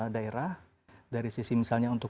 daerah dari sisi misalnya untuk